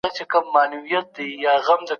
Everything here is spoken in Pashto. تر څو ده ته هغه او شتمني ئې په ميراث پاته سي.